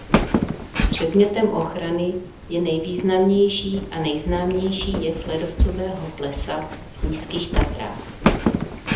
Předmětem ochrany je nejvýznamnější a nejznámější jev ledovcového plesa v Nízkých Tatrách.